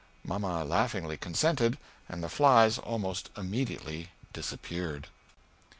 Mamma laughingly consented and the flies almost immediately dissapeared.